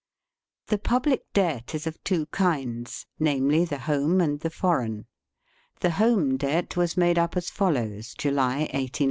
The public debt is of two kinds, namely^ the home and the foreign. The home debt was made up as follows, July, 1883 :— Home debt. 4 per cent.